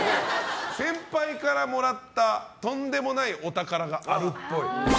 先輩からもらったとんでもないお宝があるっぽい。